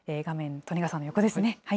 画面、利根川さんの横ですね。